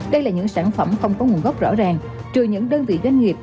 đây là những sản phẩm không có nguồn gốc rõ ràng trừ những đơn vị doanh nghiệp